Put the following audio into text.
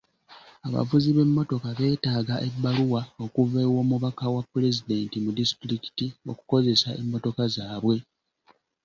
Abavuzi b'emmotoka beetaaga ebbaluwa okuva ew'omubaka wa pulezidenti mu disitulikiti okukozesa emmotoka zaabwe.